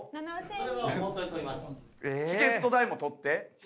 チケット代もとって？